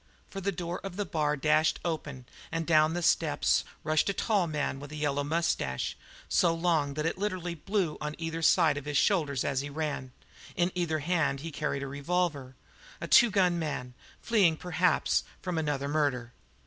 For the door of the bar dashed open and down the steps rushed a tall man with light yellow moustache, so long that it literally blew on either side over his shoulders as he ran; in either hand he carried a revolver a two gun man, fleeing, perhaps, from another murder.